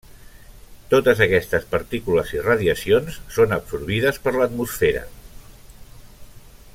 Totes aquestes partícules i radiacions són absorbides per l'atmosfera.